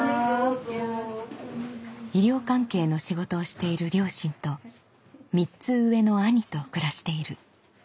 医療関係の仕事をしている両親と３つ上の兄と暮らしている。